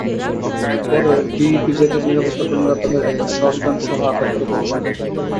পরে ডিইপিজেডের নিরাপত্তা কর্মীরা তাঁদের একটি শর্টগানসহ আটক করে পুলিশে দেন।